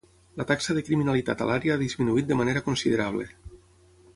La taxa de criminalitat a l'àrea ha disminuït de manera considerable.